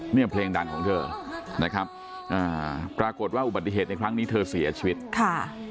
เนี่ยเพลงดังของเธอนะครับอ่าปรากฏว่าอุบัติเหตุในครั้งนี้เธอเสียชีวิตค่ะ